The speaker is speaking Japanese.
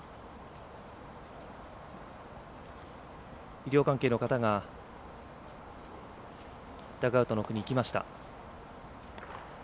医療関係の方がダグアウトのほうに行きました。